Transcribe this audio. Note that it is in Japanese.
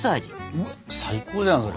うわ最高じゃんそれ。